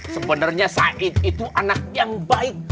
sebenarnya said itu anak yang baik